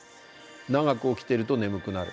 長く起きてると眠くなる。